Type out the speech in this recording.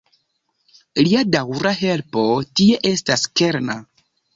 Lia daŭra helpo tie estas kerna.